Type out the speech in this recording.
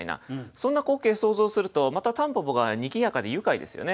そんな光景想像するとまた蒲公英がにぎやかで愉快ですよね。